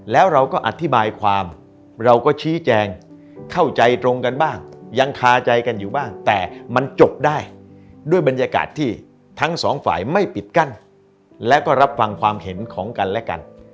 แล้วเราก็อธิบายความเราก็ชี้แจงเข้าใจตรงกันบ้างยังคาใจกันอยู่บ้างแต่มันจบได้ด้วยบรรยากาศที่ทั้งสองฝ่ายไม่ปิดกั้นและก็รับฟังความเห็นของกันและกัน